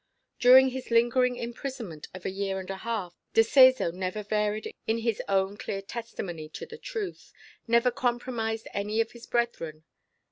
During his lingering imprisonment of a year and a half, De Seso never varied in his own clear testimony to the truth, never compromised any of his brethren.